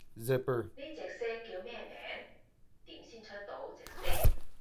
呢隻色叫咩名？點先出到隻色？